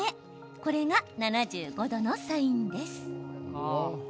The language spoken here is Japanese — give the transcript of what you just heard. これが７５度のサインです。